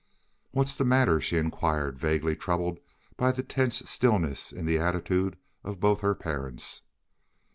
"What's the matter?" she inquired, vaguely troubled by the tense stillness in the attitude of both her parents.